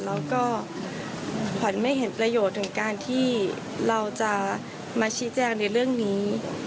แล้วก็ขวัญไม่เห็นประโยชน์ถึงการที่เราจะมาชี้แจงในเรื่องนี้